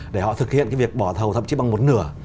để họ thực hiện cái việc bỏ thầu thậm chí bằng một nửa